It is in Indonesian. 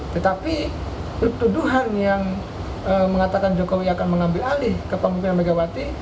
tetapi tuduhan yang mengatakan jokowi akan mengambil alih ke pemimpinan megawati